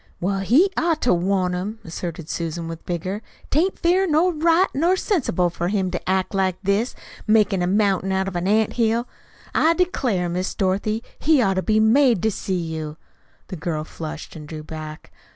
"Well, he ought to want 'em," asserted Susan with vigor. "'Tain't fair nor right nor sensible for him to act like this, makin' a mountain out of an ant hill. I declare, Miss Dorothy, he ought to be made to see you." The girl flushed and drew back.